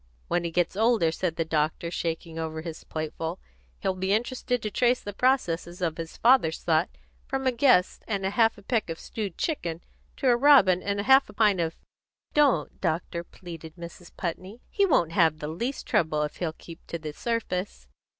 "When he gets a little older," said the doctor, shaking over his plateful, "he'll be interested to trace the processes of his father's thought from a guest and half a peck of stewed chicken, to a robin and half a pint of " "Don't, doctor!" pleaded Mrs. Putney. "He won't have the least trouble if he'll keep to the surface."